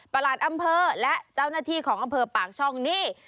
หลัดอำเภอและเจ้าหน้าที่ของอำเภอปากช่องนี่